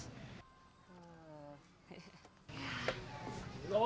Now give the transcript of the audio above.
eh butret ya abang kusut kali bang